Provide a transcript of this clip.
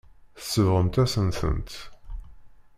Tsebɣemt-asen-tent.